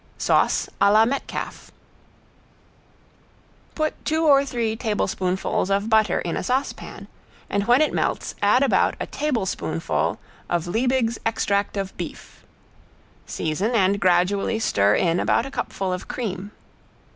~SAUCE A LA METCALF~ Put two or three tablespoonfuls of butter in a saucepan, and when it melts add about a tablespoonful of Liebig's Extract of Beef; season and gradually stir in about a cupful of cream.